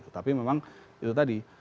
tapi memang itu tadi